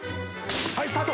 「はい。スタート。